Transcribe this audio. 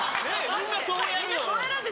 みんなそうやるんですよ。